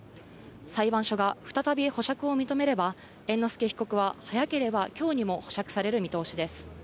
裁判所が再び保釈を認めれば、猿之助被告は早ければきょうにも保釈される見通しです。